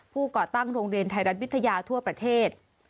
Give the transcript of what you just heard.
ก่อตั้งโรงเรียนไทยรัฐวิทยาทั่วประเทศ